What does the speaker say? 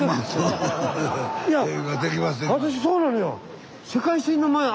いや私そうなのよ！